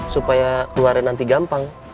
supaya keluarin nanti gampang